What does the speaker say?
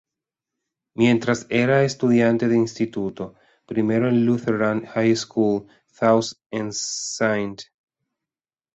Mientras era estudiante de instituto, primero en la Lutheran High School South en St.